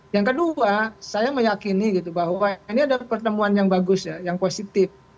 yang kedua saya meyakini gitu bahwa ini ada pertemuan yang bagus ya yang positif